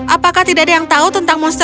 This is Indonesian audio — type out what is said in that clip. apakah tidak ada yang tahu tentang monster